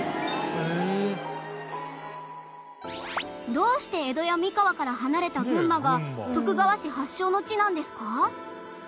どうして江戸や三河から離れた群馬が徳川氏発祥の地なんですか？